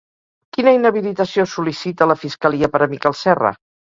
Quina inhabilitació sol·licita la fiscalia per a Miquel Serra?